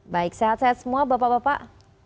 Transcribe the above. baik sehat sehat semua bapak bapak